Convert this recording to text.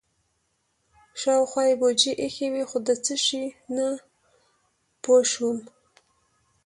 شاوخوا یې بوجۍ ایښې وې خو د څه شي نه پوه شوم.